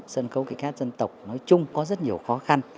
sân khấu kịch hát dân tộc nói chung có rất nhiều khó khăn